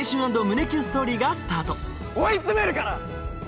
＆胸キュンストーリーがスタート追い詰めるから！